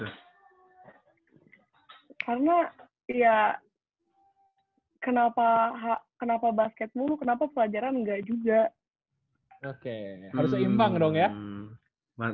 karena ya kenapa kenapa basket mulu kenapa pelajaran nggak juga